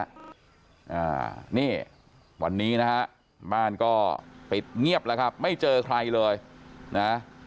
อ่านี่วันนี้นะฮะบ้านก็ปิดเงียบแล้วครับไม่เจอใครเลยนะ